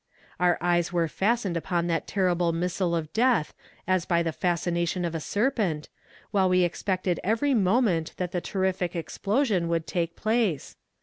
"Our eyes were fastened upon that terrible missile of death as by the fascination of a serpent, while we expected every moment that the terrific explosion would take place.